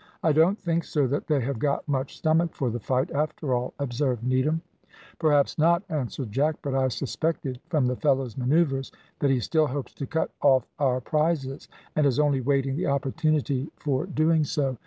"I don't think, sir, that they have got much stomach for the fight, after all," observed Needham. "Perhaps not," answered Jack; "but I suspected from the fellow's manoeuvres that he still hopes to cut off our prizes, and is only waiting the opportunity for doing so.